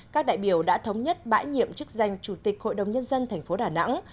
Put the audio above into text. các đại biểu đã thống nhất bãi nhiệm chức danh chủ tịch hội đồng nhân dân tp đà nẵng